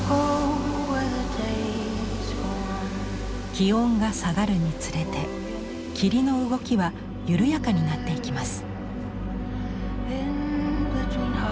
気温が下がるにつれて霧の動きは緩やかになっていきます。